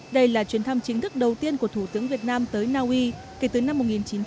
đây là chuyến thăm chính thức đầu tiên của thủ tướng việt nam tới naui kể từ năm một nghìn chín trăm chín mươi